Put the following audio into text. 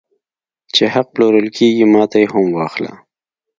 چې حق پلورل کېږي ماته یې هم واخله